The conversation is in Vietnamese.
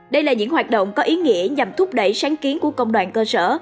đây là những hoạt động có ý nghĩa nhằm thúc đẩy sáng kiến của công đoàn cơ sở